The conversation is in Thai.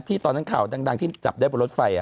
ตอนนั้นข่าวดังที่จับได้บนรถไฟ